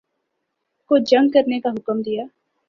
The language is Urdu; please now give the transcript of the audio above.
کو جنگ کرنے کا حکم دیا